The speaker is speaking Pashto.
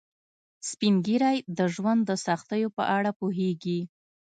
سپین ږیری د ژوند د سختیو په اړه پوهیږي